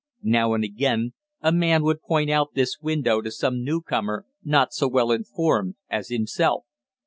Now and again a man would point out this window to some new corner not so well informed as himself.